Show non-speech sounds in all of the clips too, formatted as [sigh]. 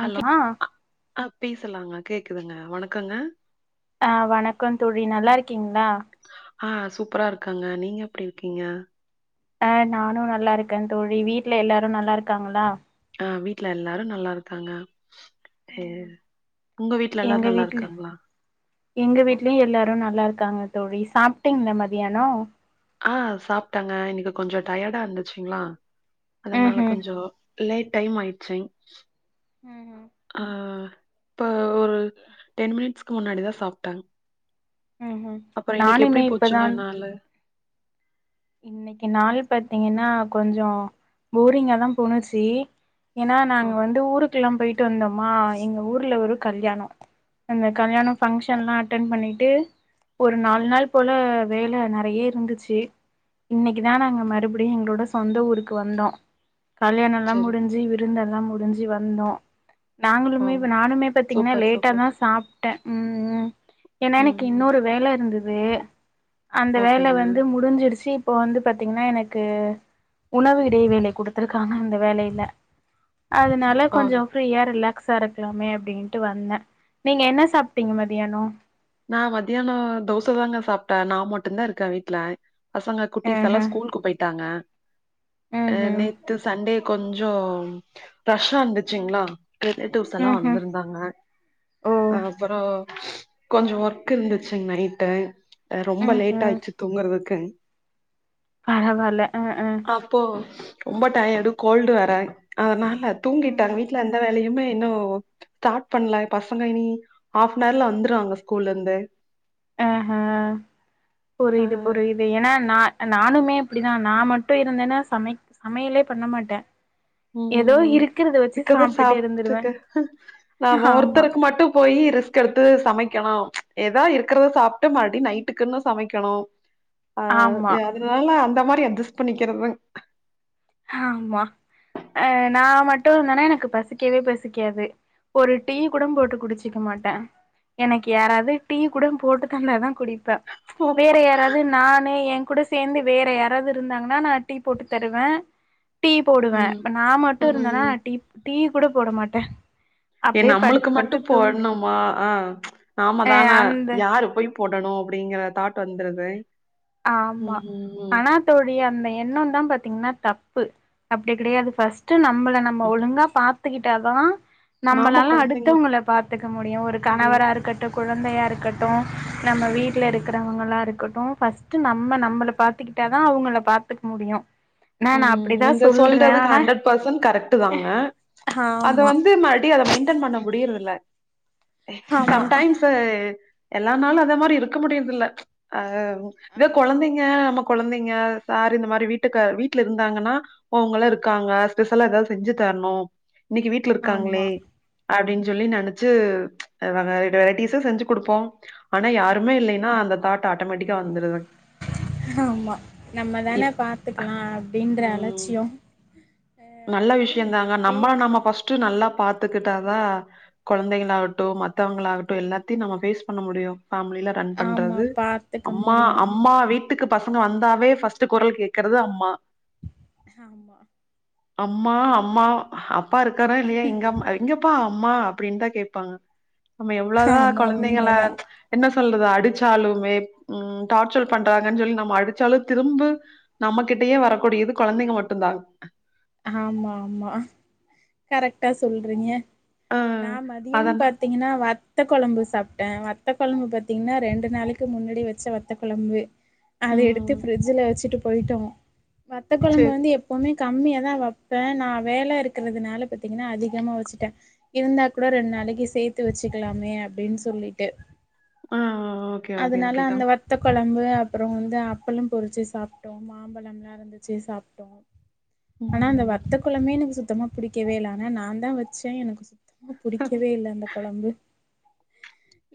Hello அ பேசலாங்க கேக்குதுங்க வணக்கங்க ஆ வணக்கோ தோழி நல்லா இருக்கீங்களா ஆ சூப்பரா இருக்கங்க நீங்க எப்டி இருக்கீங்க ஆ நானு நல்லா இருக்கே தோழி வீட்ல எல்லாரு நல்லா இருக்காங்களா ஆ வீட்ல எல்லாரு நல்லா இருக்காங்க உங்க வீட்ல எல்லாரு எங்க நல்லா வீட்ல இருக்காங்களா எங்க வீட்லயு எல்லாரு நல்லா இருக்காங்க தோழி சாப்டீங்களா மதியானோ ஆ சாப்டங்க இன்னைக்கு கொஞ்சோ டயர்டா இருந்துச்சுங்களா ம் அதனால கொஞ்சோ லேட் டைம் ஆயிருச்சு ம் ஆ இப்ப ஒரு டென் மினிட்ஸ்க்கு முன்னாடிதா சாப்டா ம் ம் எப்டி நானுமே இப்பதா போச்சுங்க நாளு இன்னைக்கு நாள் பாத்தீங்கன்னா கொஞ்சோ போரிங்காதா போணுச்சு ஏன்னா ஆ நாங்க வந்து ஊருக்கெல்லா போயிட்டு வந்தோமா எங்க ஊர்ல ஒரு கல்யாணோ அந்த கல்யாணோ ஃபங்க்ஷன்லா அட்டன் பண்ணிட்டு ஒரு நாள் நாள் போல வேல நெறய இருந்துச்சு இன்னைக்குதா நாங்க மறுபடியு எங்களோட சொந்த ஊருக்கு வந்தோ கல்யாணோல்லா செரி முடிஞ்சு விருந்தெல்லா முடுஞ்சு வந்தோ ஓ நாங்களுமே இப்ப நானுமே பாத்தீங்கனா சூப்பர் சூப்பர் லேட்டாதா சா ப்ட்ட ம் ஏன்னா ம் எனக்கு ம் இன்னொரு வேல இருந்தது அந்த வேல ஓகேங்க வந்து முடிஞ்சிருச்சு இப்போ வந்து பாத்தீங்கன்னா எனக்கு உணவு இடைவேளை குடுத்துருக்காங்க இந்த வேலைல அதனா ல ஓ கொஞ்சோ ப்ரியா ரிலாக்ஸா இருக்கலாமே அப்டின்ட்டு வந்த நீங்க என்ன சாப்ட்டீங்க மதியானோ நா மதியானோ தோச தாங்க சாப்ட நா மட்டும்தா இருக்க வீட்ல பசங்க குட்டிஸ் ஆஹ எலா ஸ்கூலுக்கு போயிட்டாங்க அ ம்ஹும் நே த்து சண்டே கொஞ்சோ ரஷ்ஷா இருந்துச்சுங்களா ரிலேட்டிவ்ஸ் எலா ம்ஹும் வந்துருந்தாங்க ஓ ஆ அப்றோ கொஞ்சோ ஒர்க் இருந்துச்சுங் நைட்டு ரொம்ப லேட் ம்ஹும் ஆயிருச்சு தூங்குறதுக்கு பரவால ம் ம் அப்போ ரொம்ப டையடு கோல்டு வேர அதனால தூங்கிட்ட ம்ஹும் வீட்ல எந்த வேலையுமே இன்னு ஸ்டாட் பண்ல பசங்க இனி ஹாபனர்ல வந்துருவாங்க ஸ்கூல்ல இர்ந்து அஹ புரிது புரிது ஏன்னா நா நானுமே அப்டிதா நா மட்டு இருந்தேன்னா சமைக் சமையலே பண்ண மாட்டே ம் ம் ஏதோ ம் ம் இருக்கிறத வச்சு இருக்கதா சாப்ட்டுட்டு இருந்துருவே சாப்ட்டுக்க நாம ஆமா ஒருத்தருக்கு மட்டு போயி ரிஸ் க்றது சமைக்கணு ஏதோ இருக்றத சாப்ட்டு மறுடி நைட்டுக்குன்னு சமைக்கணு ஆ ஆமா அதனால அந்த மாதிரி அட்ஜஸ்ட் பண்ணிக்கிறதுதா ஆமா அ நா மட்டு இருந்தனா எனக்கு பசிக்கவே பசிக்காது ஒரு டீ கூடம் போட்டு குடிச்சிக்க மாட்டே எனக்கு யாராவது டீ கூடம் போட்டு தந்தாதா குடிப்பே வேற பாப்பா யாராது நானே என் கூட சேந்து வேற யாராது இருந்தாங்கன்னா நா டீ போட்டு தருவே டீ போடுவே ம் இப்ப நா மட்டு இருந்தனா ம் நா டி டீ கூட போட மாட்டே ஏ அப்டியே நம்ளுக்கு படுத்து மட்டு படுத்து தூங் போட்ணுமா ஆ நாம அ தானே அந்த யாரு போய் போடணு அப்டிங்கற தாட் வந்துருது ஆமா ம் ம் ஆனா தோழி அந்த எண்ணம்தா பாத்தீங்கன்னா தப்பு அப்டி கெடையாது ஃபர்ஸ்ட் டு நம்மள நம்ம ம். ஒழுங்கா பாத்துக்கிட்டாதா நாம நம்மளால கொழந்தைங்களுக்கு அடுத்தவங்களளை பாத்துக்க முடியு ஒரு முடியு கணவரா இருக்கட் டு குழந்தையா இருக்கட்டு நம்ம வீட்ல இருக்கிறவங்களா இருக்கட்டு ஃபஸ்ட் டு நம்ம நம்மள பாத்துக்கிட்டாதா அவங்கள பாத்துக்க முடியு ம் நீங்க சொல்றது ஹண்ட்ரட் பர்சன்ட் கரெக்ட் தாங்க அத ஆமா வந்து மறுபடி அத மெயின்டென் பண்ண முடியறதல்ல ஆமா சம்டைம்ஸ் எல்லா நாளு அத மாதிரி இருக்க முடிறதில்ல ஆ இத ஆமா கொழந்தைங்க நமக் கொழந்தைங்க சார் இந்த மாரி வீட்டுக்காரு வீட் ல இருந்தாங்கன்னா அவங்களா இருக்காங்கன்னா ஸ்பெஷலா ஏதாது செஞ்சு தர்ணும் இன்னைக்கு வீட் ல இருக்காங்ளே ஆமா அப்டின் சொல்லி ஆமா நெனைச்சு அவங்க வெரைட்டிஸா செஞ்சு குடுப்போ ஆனா யாருமே ம் இல்லைன்னா அந்த தாட் ஆட்டோமேட்டிக்கா வந்துருதுங்க ஆமா நம்மதானே இப் பாத்துக்கலா அப்டின்ற ம் அலட்சிய நல்ல விஷயம் தாங்க நம்மள நம்ம ஃபர்ஸ்ட்டு நல்லா பாத்துக்கிட்டாதா கொழந்தைகளாகட்டு மத்தவங்களாகட்டு எல்லாத்தையு நம்ம ஃபேஸ் பண்ண முடியு ஃபேம்லில ரன் ஆமா பண்றது பாத்துக்க அம்மா முடியு அம் அம்மா வீட்டுக்கு பசங்க வந்தாவே ஃபர்ஸ்ட் கொறல் கேக்றது அம்மா ஆமா அம்மா அம்மா அப்பா இருக்காறா இல்லையா இங்க அப் இங்கப்பா அம்மா அப்டின்தா கேப்பாங்க நம்ம எவ்ளதா ஆமா கொழந்தைங்கள உண்மதா என்ன சொல்றது அடிச்சாலுமே ம் டார்ச்சல் பண்றாங்கன்னு சொல்லி நம்ம அடிச்சாலு திரும்பு நம்மகிட்டயே வரக்கூடியது கொழந்தைங்க மட்டும்தா ஆமா ஆமா கரெக்டா சொல்றீங்க ஆ நா மதியம் பா அதனா த்தீங்கன்னா வத்த கொழம்பு சாப்ட்டே வத்த கொழம்பு பாத்தீங்கன்னா ரெண்டு நாளுக்கு முன்னாடி வச்ச வத்த கொழம்பு அத எடுத்து ம் ஃபிரிட்ஜ்ல வச்சுட்டு போய்ட்டோ வத்த கொழம்பு சேரி வந்து எப்பமே கம்மியா தா வைப்பே நா வேல இருக்கிறதுனால பாத்தீங்கன்னா அதிகமா வச்சுட்டே இருந்தா கூட ரெண் நாளைக்கு சேத்து வச்சுக்கலாமே அப்டின் சொல்லிட்டு ஆ ஓகே ஓகே அதனால ஓகேக்கா அந்த வத் வத்த கொழம்பு அப்புற வந்து அப்பள பொறிச்சு சாப்ட்டோ மாம்பழம்லா இருந்துச்சு சாப்ட்டோ ஆனா அந்த ம் வத்த கொழம்பே எனக்கு சுத்தமா புடிக்கவே இல்ல ஆனா நான்தா வச்சே எனக்கு சுத் [unintelligible] புடிக்கவே இல்ல அந்த கொழம்பு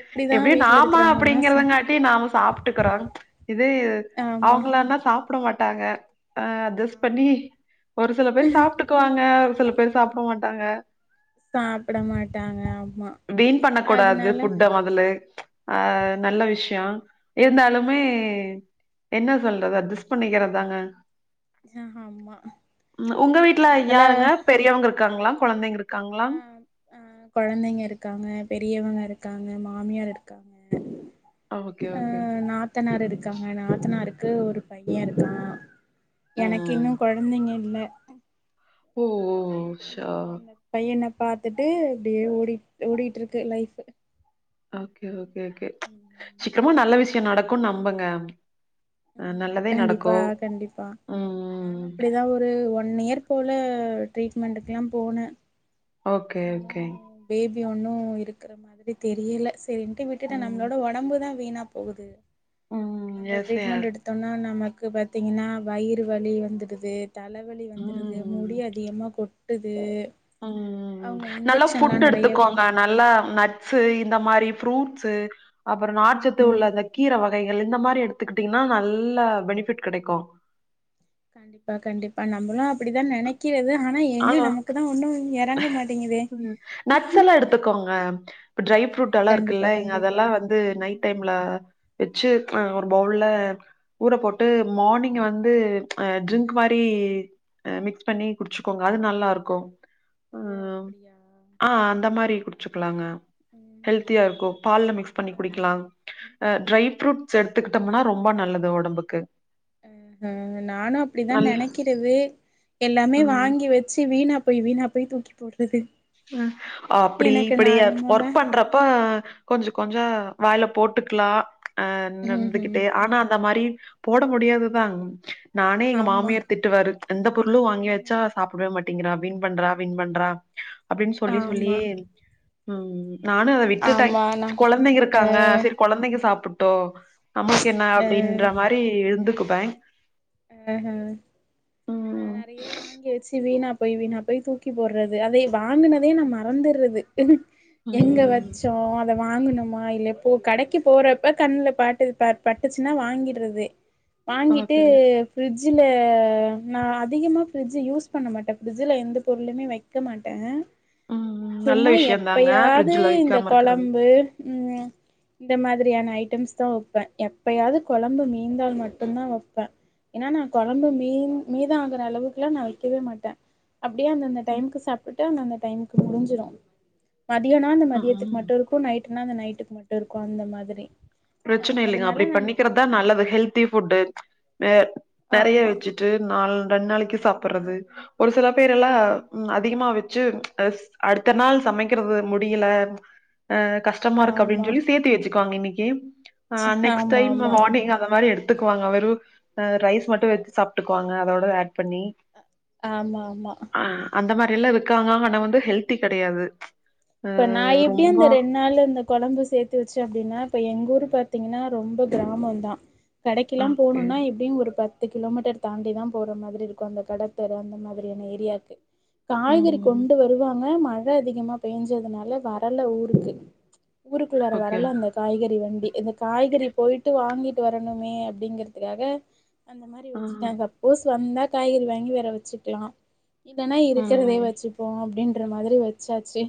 எப்டிதா எப்டியு வீட்ல நாம இருக்கிறவங்கல்லா சா அப்புடிங்கறதங்காட் ட்டி நாம சாப்ட்டுக்கறோ இதே ஆமா அவங்களா இருந்தா சாப்ட மாட்டாங்க அ அட்ஜஸ் பண்ணி ஆமா ஒரு சில பேர் சாப்பிட்டுக்குவாங்க ஒரு சில பேர் சாப்டமாட்டாங்க சாப்டமாட்டாங்க ஆமா வீண் பண்ண கூடாது அதனால ஃபுட்ட மொதல்லே அ நல்ல விஷ்ய ஆமா இருந்தாலுமே ஆமா என்னா சொல்றது அஜஸ் பண்ணிக்கறதாங்க ஆமா உம் உங்க வீட்டுல அதனால யாருங்க பெரியவுங்க இருக் காங்களா கொழந்தைங்க இருக்காங்களா ஆ கொழந்தைங்க இருக்காங்க பெரியவங்க இருக்காங்க மாமியார் இருக்காங்க ஓக்கே ஆ ஓக்கே நாத்தனார் இருக்காங்க நாத்தனாருக்கு ஒரு பைய இருக்கா எனக்கு ம் இன்னு கொழந்தைங்க இல்ல ஓஓஓ பையன பாத்துட்டு இப்டே ஓடிட்டு ஓடிட்டிருக்கு லைஃபு ஓக்கே ஓக்கே ஓக்கே சீக்கமா நல்ல விஷயோ நடக்குனு நம்புங்க அ நல்லதே கண்டிப்பா நடக்கு கண்டிப்பா அப்டிதா ஒரு ஒன் யேர் போல ட்ரீட்மெண்ட்க்குலா போன பேபி ஒன்னு இருக்குற மாறி தெரியல செரின்ட்டு விட்டுட்டே நம்ப்ளோட ஒடம்பு தா வீணா போகுது அந்த ட்ரீட்மெண்ட் எடுத்தோனா நமக்கு பாத்தீங்கனா வயிறு வலி வந்துடுது தலவலி வந்துடுது முடி அதிகமா கொட்டுது அ அவங்க அ நல்லா இன்ஜெக்ஷன்லா ஃபுட் நெறைய எடுத்துக்கோங்க நல்லா நட்ஸு இந்த மாறி புரூட்ஸீ அப்பற ம் நாற்சத்து உள்ள ம் அந்த கீர வகைகள் இந்த மாறி எடுத்துக்கிட்டீங்னா நல்ல பெனிஃபிட் கெடைக்கு கண்டிப்பா கண்டிப்பா நம்மளு அப்படிதா நெனைக் க்கிறது ஆனா எங்க நமக்குதா ஒன்னு எறங்க மாட்டிங்குதே ம் ப்ப ட்ரைஃப்ரூட் எலா இருக்குல்ல இங்க அதெலா வந் து ம் நைட் ம் டைம்ல வெச்சு அ ம் ஒரு ம் பவுல்ல ஊர போட்டு மார்னிங் வந்து அ ட்ரிங்க் ம் மாறி மிக்ஸ் பண்ணி குடிச்சுக்கோங்க அது நல்லா இருக்கோ ஓ அப்புடியா அ அந்த மாறி குடிச்சுக்கலாங்க ம் ம் ஹெல்த்தியா இருக்கு பால்ல மிக்ஸ் பண்ணி அ குடிக்கலா அ ட்ரை ஃப்ரூட்ஸ் எடுத்துக்கிட்டம்னா ரொம்ப நல்லது ஒடம்புக்கு அ அ நானு அப்டிதா நல் நெனைக்கிறது எல்லாமே ம். வாங்கி வெச்சு வீணா போய் வீணா போய் தூக்கி போட்றது ஹ அப்டி இப்டி அ நார்மலா ஒர்க் பண்றப்ப கொஞ்சொ கொஞ்சொ வாய்ல போட்டுக்கலா அ ம் ம் நடந்துகிட்டே ஆனா அந்த மாரி போட முடியாதுதா நானே எங்க ஆமா மாமியார் திட்டுவாரு எந்த பொருளு வாங்கி ம்ஹும் வச்சா சாப்ட மாட்டிங்கிறா வின் பண்றா வின் பண்றா அப்டின்னு சொல்லி ஆமா சொல்லியே ம் நானு அத விட்டுட்டே ஆமா நா கொழந்தைங்க அ இருக்காங்க சரி கொழந்தைங்க சாப்புட்டு நம்மளுக் என்ன அப்டின்ற மாறி இருந்துக்குவே ஆஹ்ஹ நா ம் நறைய வா வச்சு வீணா போய் வீணா போய் தூக்கி போட்றது அதை வாங்குனதயே நா மறந்துட்றது எங்க ம் வச்சோ அத வாங்கணுமா இல்ல போ கடைக்கு போறப்ப கண்ணுல பாட்டுத பட்டுச்சுனா வாங்கிட்றது வாங்கிட்டு ஓகே ஃப்ரி்ஜ்ல நா அதிகமா ஃப்ரிட்ஜ் யூஸ் பண்ண மாட்டே ஃப்ரிட்ஜல எந்த பொருளுமே வைக் க்க மாட்டே ம் நல்ல சும்மா விஷயந்தாங்க எப்பயாது ஃப்ரிட்ஜ்ல இந்த வைக்காம இருக்கறது கொழம்பு ம் அ இந்த மாதிரியான ஐட்டம்ஸ்தா வைப்பே எப்பயாவது கொழம்பு மீந்தால் மட்டும்தா வப்பே ஏன்னா நா கொழம்பு மீன் மீத ஆகற அளவுக்குலா நா வைக்கவே மாட்டே அப்டியே அந்தந்த ம் டைமுக்கு சாப்டுட்டு அந்த அந்த டைமுக்கு முடிஞ்சிரு மதியன்னா அந்த மதியத்துக்கு ம் மட்டு இரு இப்போ நைட்டுனா அந்த நைட்டுக்கு மட்டு இருக்கு அந்த மாதிரி அ ப்ரச்சனை இல்லிங்க அப்டி அதனால நம் பண்ணிக்கறதா நல்லது ஹெல்தி ஃபுட்டு அ நெறைய ஆமா வச்சு டு நாள் ரெண் நாளைக்கு சாப்புட்றது ஒரு சில பேரல்லா ம் அதிகமா வச்சு அ அடுத்த நாள் சமைக்கிறது முடில அ கஷ் டமா இருக்கு அப்டின் ஆமா சொல்லி சேத்தி வச்சுக்குவாங்க இன்னைக்கி அ ச்ச நெக்ஸ் ஆமா டைம் ஆமா மார்னிங் அந்த மாரி எடு த்துக்குவாங்க வெறு அ ரைஸ் மட்டு வச்சு சாப்ட்டுக்குவாங்க அதோட ஆட் பண்ணி ஆமா ஆமா அ அந்த மாரில்லா இருக்காங்க ஆனா வந்து ஹெல்தி கெடையாது அ இப்ப நா எப்டி ரொம்ப அந்த ரெண் நாள் அந் கொழம்பு சேத்து வச்சு அப்டின்னா இப்போ எங்க ஊரு பாத்தீங்னா ரொம்ப க்ராமந்தா அ கடைக்கெல்லா ஓகே போணுன்னா எப்டியு ஒரு பத் து கிலோமீட்டர் தாண்டிதா போற மாதிரி இருக்கு அந்த கடத்தெரு அந்த மாதிரியான ஏரியாக்கு காய்கறி ம் கொண்டு வருவாங்க மழ அதிகமா பேஞ்சதுனால வரல ஊருக்கு ஊருக்குள்ளார ஓகே வரல அந்த காய்கறி வண்டி இந்த காய்கறி போய்ட்டு வாங்கிட்டு வரணுமே அப்டிங்கறதுக்காக அந்த மாதிரி அ வச்சுட்டே சப்போஸ் வந்தா காய்கறி வாங்கி வேற வச்சுக்லா இல்லனா இருக்கிறதே ம் வச்சுப்போ அப்டின்ற மாதிரி வச்சாச்சு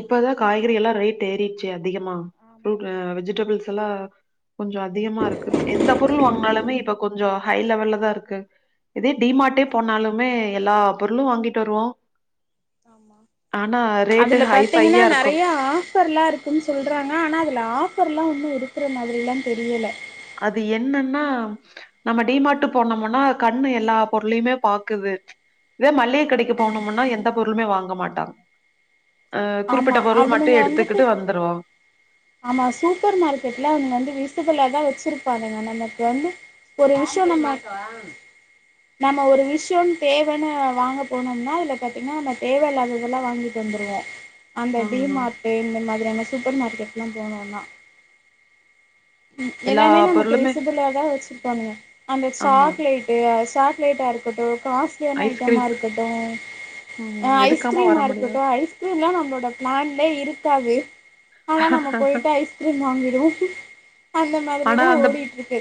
இப்பதா காய்கறி எல்லா ரேட் ஏறிட்ச்சு அதிகமா ஆமா ப்ரூட் ஆமா ஆமா வெஜிடபிள்ஸ் எல்லா கொஞ்ச அதிகமா இருக்கு எந்த பொருள் வாங்னாலுமே இப்ப கொஞ்ச ஹை லெவல்லதா இருக்கு இதே டிமார்ட்டே ஆமா ஆமா போனாலுமே எல்லா பொருளு வாங்கிட்டு வருவோ ஆமா ஆனா ரேட்டு அதுல பாத்தீங்கன்னா ஹைஃபையா இருக்கும். நெறையா ஆஃபர்லா இருக்குன்னு சொல்றாங்க ஆனா அதுல ஆஃபர்லா ஒன்னு இருக்கிற மாதிரிலா தெரியல அது என்னன்னா நம்ம டிமாட்டு ம் போனோமன்னா கண்ணு எல்லா பொருளையுமே பாக்குது இதே மல்லிகை கடைக்கு ஆமா போனமுன்னா எந்த பொருளுமே வாங்க மாட்டாங் அ ஆமா குறிப்பிட்ட பொருள் மட்டு அவனுங்க வந்துட்டு எடுத்துக்கிட்டு வந்துருவே ஆமா சூப்பர் மார்க்கெட்ல அவங்க வந்து விசிபிளாதான் வச்சிருப்பானங்க நமக்கு வந்து ஒரு விஷய நம்ம நம்ம ஒரு விஷயன் தேவன்னு வாங்க போனோம்னா அதுல பாத்தீங்கன்னா நம்ம தேவ இல்லாததெல்லா வாங்கிட்டு வந்துருவோ அந்த ஆ டி மார்டு இந்த மாதிரி ஆன சூப்பர் மார்க்கெட்ல்லா போனோம்னா ம் எல்லா எல்லாமே நமக்கு பொருளுமே விசிபிளாதா வச்சுருப்பானுங்க அந்த ஆமா. சாக்லேட் டு சாக்லேட்டா இருக்கட்டு காஸ் ட்லியான ஐட்டமா ஐஸ்கிரீம் இருக்கட்டு ம் எடுக்காம வர ஐஸ்க்ரீமா இருக்கட்டு முடியாது. ஐஸ் ஸ்க்ரீம்லா நம்பளோட ப்ளான்லே இருக்காது ஆனா நம்ப போய்ட்டு ஐஸ்க்ரீம் வாங்கிடுவோ அந்த மாதிரிதா ஓடிட்ருக்கு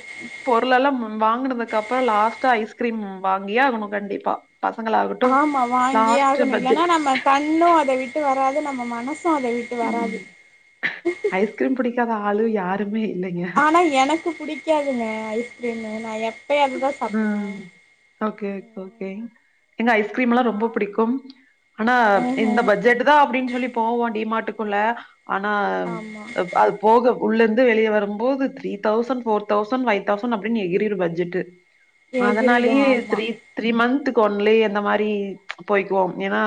பொருளெலாம் வாங்கினதுக்கு அப்புற லாஸ்ட்டா ஐஸ்கிரீம் வாங்கியே ஆகணு கண்டிப்பா பசங்களாகட்டும் ஆமா வாங்கியே லாஸ்ட் ஆகணு இல்லனா பட்ஜெட் நம்ம கண்ணும் அத விட்டு வராது நம்ம மனசு அத விட்டு வராது கீரீம் புடிக்காத ஆளு யாருமே இல்லைங்க. ஆனா எனக்கு புடிக்காதுங்க ஐஸ்கிரீமு நா எப்யாதுதா சாப்புடுவ ஓக்கே ஓக்கே எங்க ஐஸ்கிரீம்ல்லா நா ரொம்ப புடிக்கும் ஆனா ஆஹ இந்த பட்ஜெட் தா அப்புடின் ஞ்சொல்லி போவோ டிமாட்டுக்குள்ள அனா ஆமா ப் அது போக உள்ளேருந்து வெளிய வரும்போது த்ரீதௌசண்ட் ஃபோர்தௌசண் ஃபைதௌசண் அப்டினு எகிரும் பட்ஜெட்டு எகிறிடு அதனாலயே ஆமா த்ரீ த்ரீ மந்த்க்கு ஒன்லே அந்த மாரி போய்குவோ ஏனா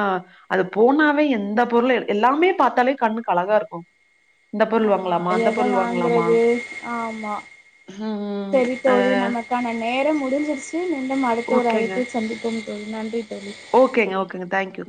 அது போனாவே எந்த பொருள் எல் எல்லாமே பாத்தாலே கண்ணுக் அழகா இருக்கு ஆமா அத அத வாங்கறது ஆமா ம்ம் சரி தோழி நம்ம நம்ம நேரம் முடிஞ்சிருச்சு மீண்டும் அடுத்த ஒரு அழைப்பில் சந்திப்போம் தோழி நன்றி தோழி ஓக்கேங்க ஓக்கேங்க தேங்க் யூ